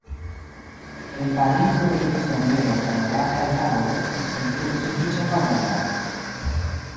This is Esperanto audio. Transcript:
En Parizo regis somero kaj la lastaj tagoj estis sendube sufiĉe varmegaj.